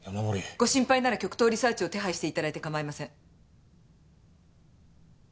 ご心配なら極東リサーチを手配していただいてかまいません。